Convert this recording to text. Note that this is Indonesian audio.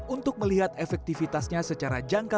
untuk melihat efektivitasnya secara jangka